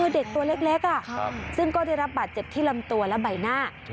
เด็กตัวเล็กซึ่งก็ได้รับบาดเจ็บที่ลำตัวและใบหน้า